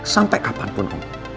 sampai kapanpun om